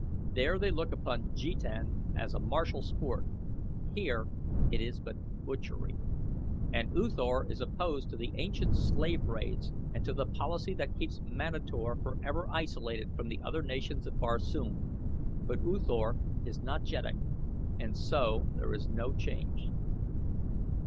There they look upon jetan as a martial sport here it is but butchery. And U Thor is opposed to the ancient slave raids and to the policy that keeps Manator forever isolated from the other nations of Barsoom; but U Thor is not jeddak and so there is no change."